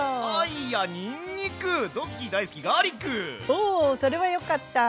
おそれはよかった。